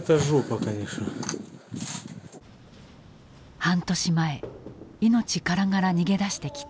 半年前命からがら逃げ出してきた。